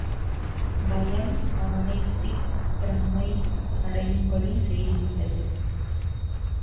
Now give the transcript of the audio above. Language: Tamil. பயம் அவனைத் திக்பிரமை அடையும்படி செய்துவிட்டது.